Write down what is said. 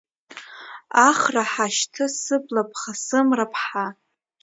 Ахра ҳашьҭы, сыбла ԥха, сымра ԥҳа!